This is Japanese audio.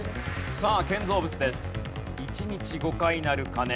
さあ建造物です。